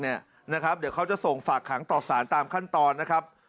เดี๋ยวเขาจะส่งฝากขังต่อสารตามขั้นตอนนะครับ